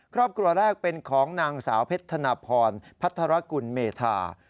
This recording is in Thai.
ครอบครัวแรกเป็นของนางสาวเพชรธนพรพัทรกุลเมธา